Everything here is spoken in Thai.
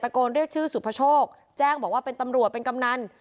ก็มีอัตโกนเรียกชื่อสุพชกแจ้งว่าเป็นตำรวจเป็นกำนัน